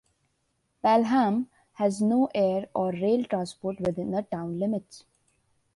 Pelham has no air or rail transport within the town limits.